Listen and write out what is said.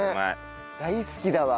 大好きだわ。